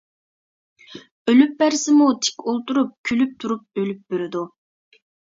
ئۆلۈپ بەرسىمۇ تىك ئولتۇرۇپ، كۈلۈپ تۇرۇپ ئۆلۈپ بېرىدۇ.